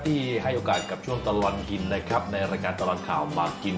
ที่ให้โอกาสกับช่วงตลอดกินนะครับในรายการตลอดข่าวมากิน